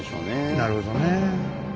なるほどね。